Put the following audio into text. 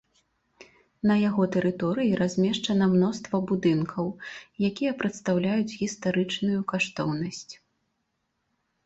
На яго тэрыторыі размешчана мноства будынкаў, якія прадстаўляюць гістарычную каштоўнасць.